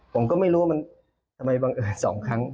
ผมก็ไม่รู้ว่ามันทำไมบังเอิญ๒ครั้ง